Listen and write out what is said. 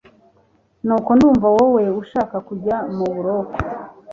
kuko ndumva wowe ushaka kujya mu buroko